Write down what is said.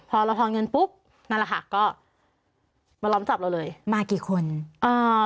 พอเราทอนเงินปุ๊บนั่นแหละค่ะก็มาล้อมจับเราเลยมากี่คนอ่า